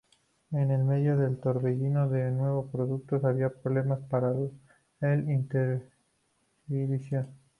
En el medio del torbellino de nuevos productos, había problemas para el Intellivision.